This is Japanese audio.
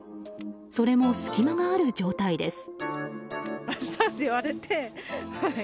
それも隙間がある状態です。